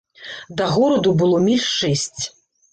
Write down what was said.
Да гораду было міль шэсць.